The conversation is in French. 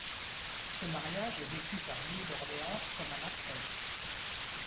Ce mariage est vécu par Louis d'Orléans comme un affront.